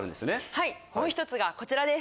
はいもう１つがこちらです。